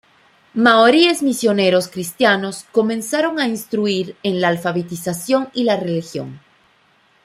Maoríes misioneros cristianos comenzaron a instruir en la alfabetización y la religión.